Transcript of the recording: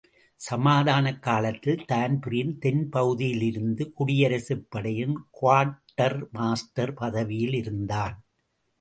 சமாதானக் காலத்தில் தான்பிரீன் தென்பகுதியிலிருந்த குடியரசுப் படையின் குவார்ட்டர் மாஸ்டர் பதவியில் இருந்தான்.